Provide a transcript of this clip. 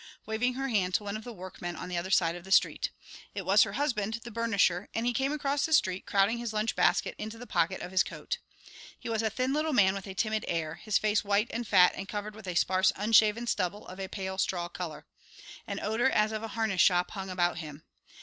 waving her hand to one of the workmen on the other side of the street. It was her husband, the burnisher, and he came across the street, crowding his lunch basket into the pocket of his coat. He was a thin little man with a timid air, his face white and fat and covered with a sparse unshaven stubble of a pale straw colour. An odour as of a harness shop hung about him.